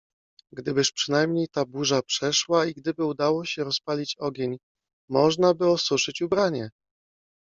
Gdybyż przynajmniej ta burza przeszła i gdyby udało się rozpalić ogień, możnaby osuszyć ubranie!